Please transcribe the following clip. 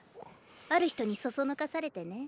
ある人にそそのかされてね。